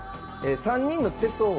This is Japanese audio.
３人の手相を。